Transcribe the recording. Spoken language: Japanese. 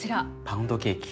パウンドケーキ。